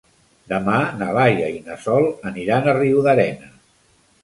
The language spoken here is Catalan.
Demà na Laia i na Sol aniran a Riudarenes.